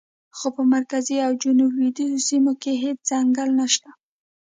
خو په مرکزي او جنوب لویدیځو سیمو کې هېڅ ځنګل نشته.